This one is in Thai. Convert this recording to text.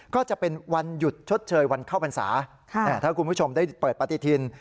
ก็จะเป็นวันหยุดชดเชยวันเข้าพรรษาถ้าคุณผู้ชมได้เปิดปฏิทิน